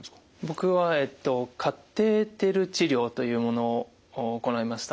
僕はえっとカテーテル治療というものを行いました。